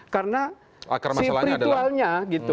karena si ritualnya